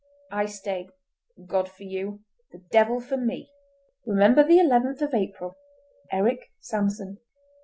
I stay. God for you! The Devil for me! Remember the 11th of April.—ERIC SANSON."